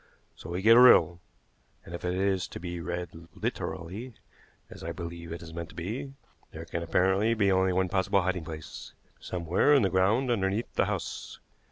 So we get a riddle, and if it is to be read literally, as I believe it is meant to be, there can apparently be only one possible hiding place somewhere in the ground underneath the house.